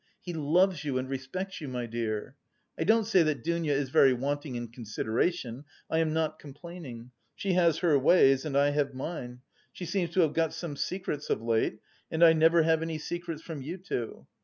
He loves you and respects you, my dear. I don't say that Dounia is very wanting in consideration. I am not complaining. She has her ways and I have mine; she seems to have got some secrets of late and I never have any secrets from you two.